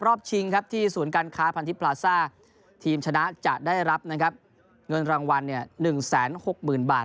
รอบชิงที่สูญการค้าพันธิปราซ่าทีมชนะจะได้รับเงินรางวัล๑๖๐๐๐๐บาท